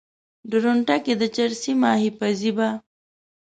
درونټه کې د چرسي ماهي پزي به